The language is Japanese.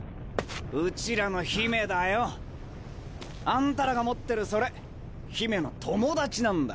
うちらの姫だよ。あんたらが持ってるそれ姫の友達なんだ。